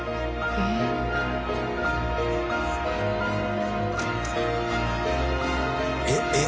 えっえっえっ？